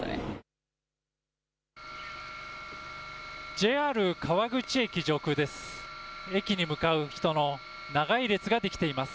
ＪＲ川口駅上空です。